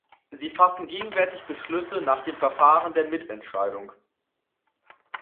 Sie fassen gegenwärtig Beschlüsse nach dem Verfahren der Mitentscheidung.